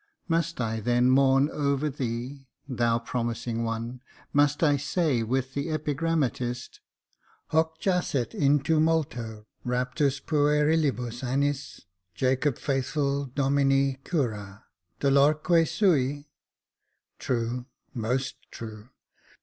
Must I then mourn over thee, thou promising one — must I say with the epigrammatist —' Hoc jacet in tumulo, raptus puerilibus annis, Jacob Faithful domini cura, dolorque sui ?' True, most true.